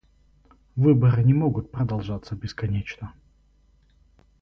Выборы не могут продолжаться бесконечно.